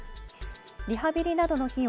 リハビリなどの費用